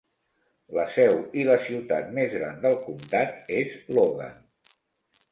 La seu i la ciutat més gran del comtat és Logan.